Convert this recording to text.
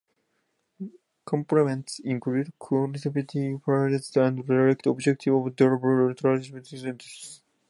Complements include quotative phrases and direct objects of double transitive sentences.